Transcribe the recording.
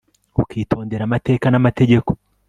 ukitondera amateka n'amategeko